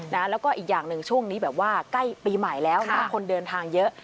แล้วก็อีกอย่างหนึ่งช่วงนี้แบบว่าใกล้ปีใหม่แล้วนะคนเดินทางเยอะ